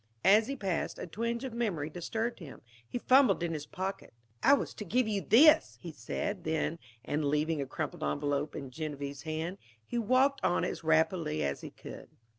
As he passed, a twinge of memory disturbed him. He fumbled in his pockets. "I was to give you this," he said then; and leaving a crumpled envelope in Genevieve's hand, he walked on as rapidly as he could.